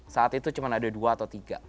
saat itu cuma ada dua atau tiga